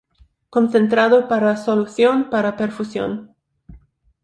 Concentrado para solución para perfusión.